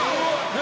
何？